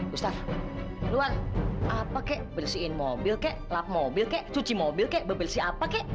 ustadz luar apa kek bersihin mobil kek lap mobil kek cuci mobil kek bersih apa kek